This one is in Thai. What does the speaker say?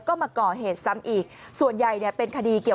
คุณผู้ชมฟังเสียงผู้หญิง๖ขวบโดนนะคะ